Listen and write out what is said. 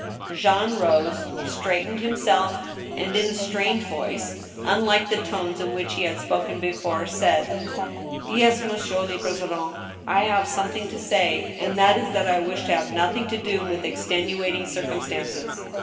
Jean rose, straightened himself, and, in a strange voice, unlike the tones in which he had spoken before, said : THE TRIAL, 20/ " Yes^ monsieur le president ^ I have something to say, and that is that I wish to have nothing to do with extenuating circumstances.